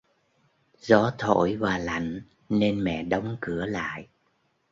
Gió thổi và lạnh nên mẹ đóng cửa lại